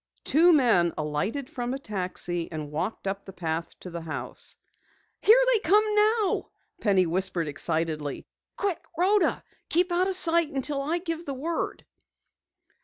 Two men alighted from a taxi and walked up the path to the house. "Here they come now!" Penny whispered excitedly. "Quick, Rhoda. Keep out of sight until I give the word!"